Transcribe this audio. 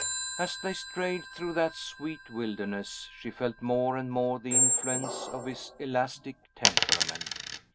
As they strayed through that sweet wilderness, she felt more and more the influence of his elastic temperament.